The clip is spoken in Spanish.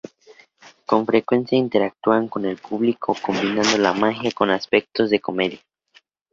Con frecuencia interactúan con el público combinando la magia con aspectos de comedia.